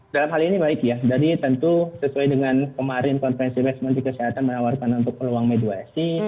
dalam hal ini baik ya jadi tentu sesuai dengan kemarin konferensi pers menteri kesehatan menawarkan untuk peluang mediasi